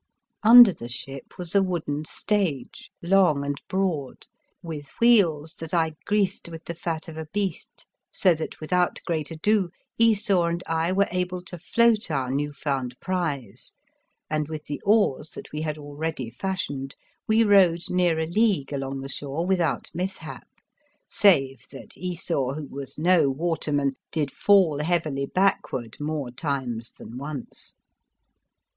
Under the ship was a wooden stage, long and broad, with wheels that I greased with the fat of a beast, so that, without great ado, Esau and I were able to float our new found prize, and, with the oars that we had already fashioned, we rowed near a league along the shore without mishap, save that Esau, who was no waterman, did fall heavily backward more times than once.